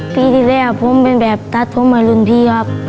ปีที่แล้วผมเป็นแบบตัดผมให้รุ่นพี่ครับ